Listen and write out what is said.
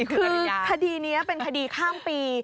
คือคดีนี้เป็นคดีข้ามปี